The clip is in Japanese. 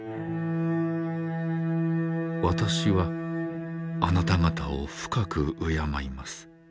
私はあなた方を深く敬います。